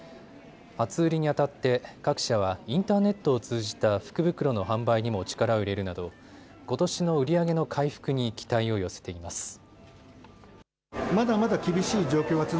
初売りにあたって各社はインターネットを通じた福袋の販売にも力を入れるなどことしの売り上げの回復に期待を寄せています。